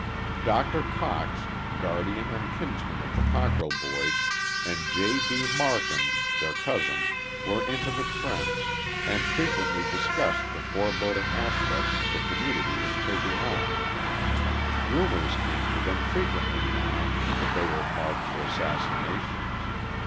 Dr. Cox, guardian and kinsman of the Cockrell boys, and J. B. Marcum, their cousin, were intimate friends and frequently discussed the foreboding aspect the community was taking on. Rumors came to them frequently now that they were marked for assassination.